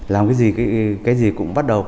làm cái gì cũng bắt đầu cắt